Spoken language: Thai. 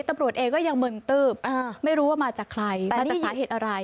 ตำรวจเองก็ยังมึนตืบไม่รู้ว่ามาจากใครมาจากสาเหตุอะไร